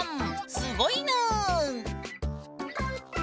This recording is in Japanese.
すごいぬん。